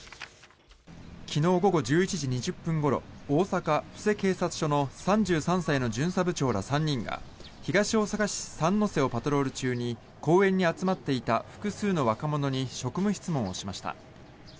昨日午後１１時２０分ごろ大阪・布施警察署の３３歳の巡査部長ら３人が東大阪市三ノ瀬をパトロール中に公園に集まっていた複数の若者に職務質問をしました。